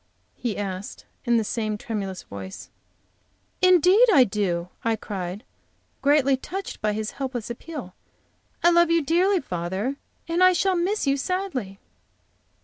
he asked, in the same tremulous voice. "Indeed, I do!" I cried, greatly touched by his helpless appeal, "I love you dearly, father. And I shall miss you sadly."